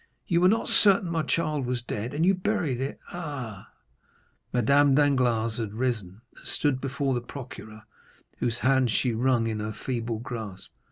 You were not certain my child was dead, and you buried it? Ah——" Madame Danglars had risen, and stood before the procureur, whose hands she wrung in her feeble grasp.